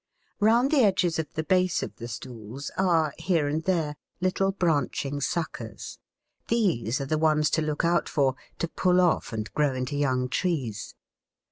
Round the edges of the base of the stools are here and there little branching suckers. These are the ones to look out for, to pull off and grow into young trees.